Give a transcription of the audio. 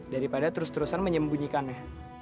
daripada terus terusan menyembunyikannya